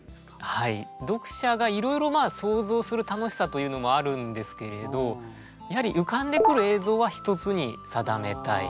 はい読者がいろいろ想像する楽しさというのもあるんですけれどやはり浮かんでくる映像は一つに定めたい。